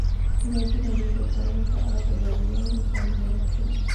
ازادي راډیو د کرهنه په اړه د بریاوو مثالونه ورکړي.